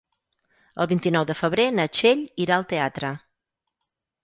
El vint-i-nou de febrer na Txell irà al teatre.